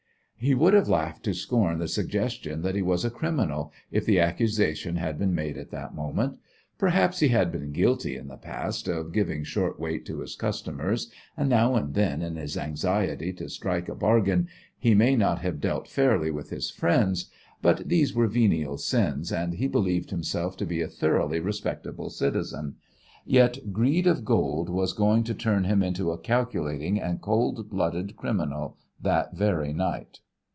He would have laughed to scorn the suggestion that he was a criminal, if the accusation had been made at that moment. Perhaps, he had been guilty in the past of giving short weight to his customers, and now and then in his anxiety to strike a bargain he may not have dealt fairly with his friends, but these were venial sins, and he believed himself to be a thoroughly respectable citizen; yet greed of gold was going to turn him into a calculating and cold blooded criminal that very night.